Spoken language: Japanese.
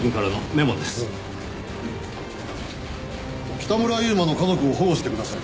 「北村悠馬の家族を保護して下さい」